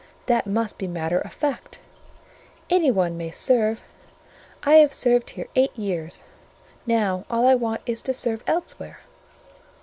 That must be matter of fact. Any one may serve: I have served here eight years; now all I want is to serve elsewhere.